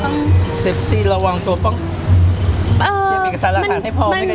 ต้องเซฟตีระวังตัวอย่ามีสารฐานให้พอ